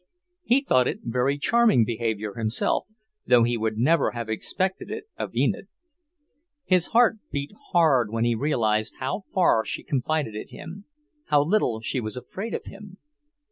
He thought it very charming behaviour himself, though he would never have expected it of Enid. His heart beat hard when he realized how far she confided in him, how little she was afraid of him!